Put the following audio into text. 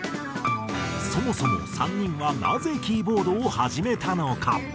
そもそも３人はなぜキーボードを始めたのか？